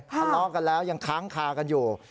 ทะเลาะกันแล้วยังค้างคากันอยู่